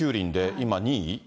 今２位。